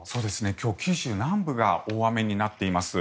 今日は九州南部が大雨になっています。